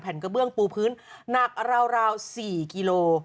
กระเบื้องปูพื้นหนักราว๔กิโล